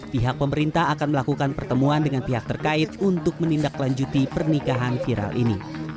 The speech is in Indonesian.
pihak pemerintah akan melakukan pertemuan dengan pihak terkait untuk menindaklanjuti pernikahan viral ini